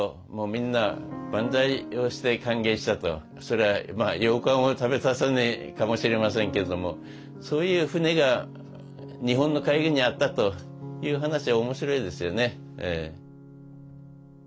それはようかんを食べたさにかもしれませんけどもそういう船が日本の海軍にあったという話は面白いですよね。